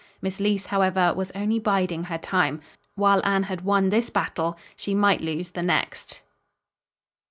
Miss Leece, however, was only biding her time. While Anne had won this battle she might lose the next.